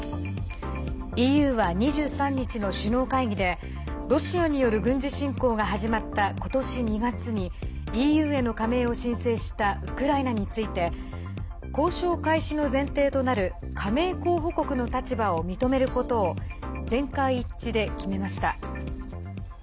ＥＵは２３日の首脳会議でロシアによる軍事侵攻が始まったことし２月にＥＵへの加盟を申請したウクライナについて交渉開始の前提となる加盟候補国の立場を認めることを全会一致で決めました。